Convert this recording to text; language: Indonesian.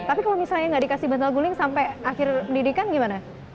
tapi kalau misalnya nggak dikasih bantal guling sampai akhir pendidikan gimana